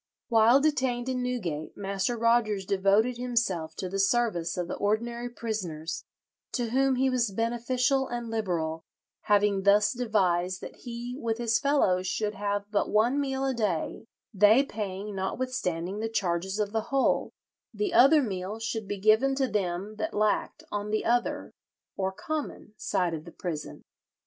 While detained in Newgate, Master Rogers devoted himself to the service of the ordinary prisoners, to whom he was "beneficial and liberal," having thus devised "that he with his fellows should have but one meal a day, they paying, notwithstanding, the charges of the whole; the other meal should be given to them that lacked on the other (or common) side of the prison.